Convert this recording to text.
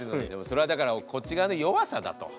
それはだからこっち側の弱さだと。